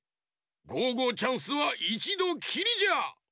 ゴーゴーチャンスはいちどきりじゃ！